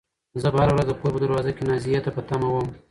زه به هره ورځ د کور په دروازه کې نازيې ته په تمه وم.